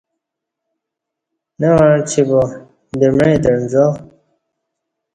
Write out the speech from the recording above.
نہ وعچی با دمعی تہ عنزا